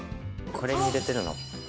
これに入れてるの。